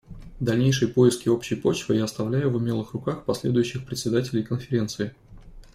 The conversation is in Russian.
Дальнейшие поиски общей почвы я оставляю в умелых руках последующих председателей Конференции.